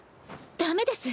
ダメです。